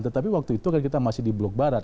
tetapi waktu itu kan kita masih di blok barat